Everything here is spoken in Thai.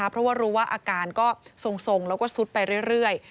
เพราะว่ารู้ว่าอาการก็ทรงแล้วก็ซุดไปเรื่อย